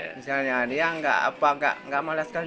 misalnya dia nggak apa nggak malas sekali